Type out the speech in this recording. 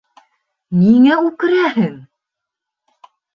— Ниңә үкерәһең?